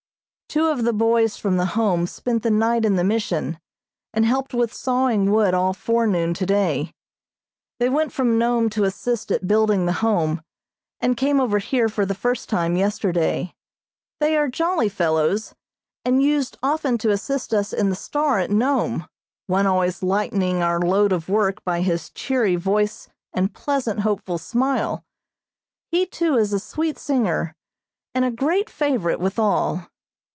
Two of the boys from the Home spent the night in the Mission, and helped with sawing wood all forenoon today. They went from Nome to assist at building the Home, and came over here for the first time yesterday. They are jolly fellows, and used often to assist us in the "Star" at Nome, one always lightening our load of work by his cheery voice and pleasant, hopeful smile. He, too, is a sweet singer, and a great favorite with all.